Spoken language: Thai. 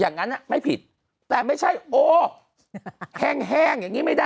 อย่างนั้นไม่ผิดแต่ไม่ใช่โอ้แห้งแห้งอย่างนี้ไม่ได้